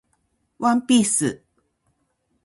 ワンピース